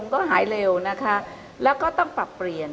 ก็หายเร็วนะคะแล้วก็ต้องปรับเปลี่ยน